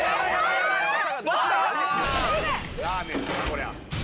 こりゃ。